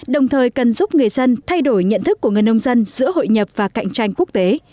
đồng thời cần giúp người dân thay đổi nhận thức của người nông dân giữa hội nhập và cạnh tranh quốc tế